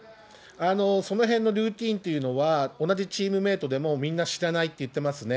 そのへんのルーティーンっていうのは同じチームメートでも、みんな知らないって言ってますね。